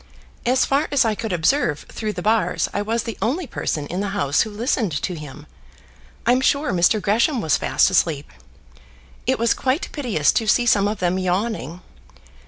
As far as I could observe through the bars I was the only person in the House who listened to him. I'm sure Mr. Gresham was fast asleep. It was quite piteous to see some of them yawning.